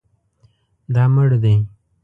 دا مړ دی